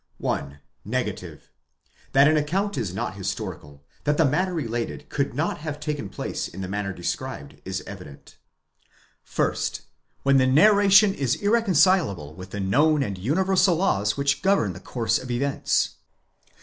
I. Negative. That an account is not historical—that the matter related could not have taken place in the manner described is evident, δ τὺ 30 INTRODUCTION. § 16. . 'First. When the narration is irreconcilable with the known and universal laws which govern the course of events.